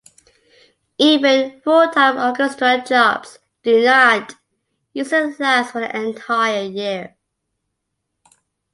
Even full-time orchestra jobs do not usually last for the entire year.